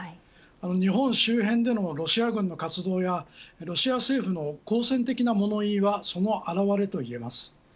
日本周辺でのロシア軍の活動やロシア政府の好戦的な物言いはその表れといえます。